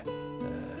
ええ。